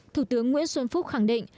thủ tướng nguyễn xuân phúc khẳng định